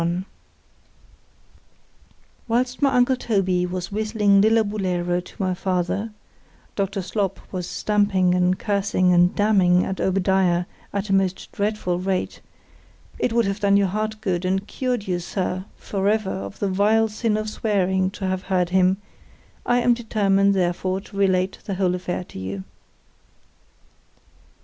LI WHILST my uncle Toby was whistling Lillabullero to my father,—Dr. Slop was stamping, and cursing and damning at Obadiah at a most dreadful rate,——it would have done your heart good, and cured you, Sir, for ever of the vile sin of swearing, to have heard him, I am determined therefore to relate the whole affair to you.